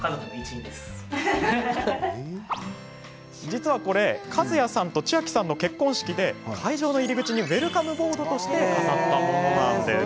実はこれ和也さんと千明さんの結婚式で会場の入り口にウエルカムボードとして飾ったものなんです。